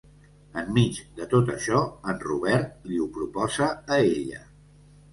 Enmig de tot això, en Robert li ho proposa a ella.